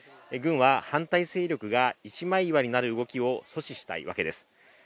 軍は反対勢力が一枚岩になる動きを阻止したいわけです。